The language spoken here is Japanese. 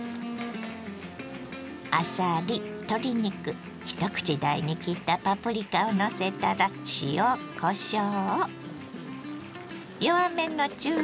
あさり鶏肉一口大に切ったパプリカをのせたら塩こしょう。